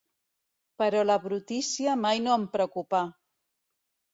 Però la brutícia mai no em preocupà.